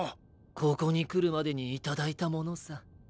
ここにくるまでにいただいたものさ。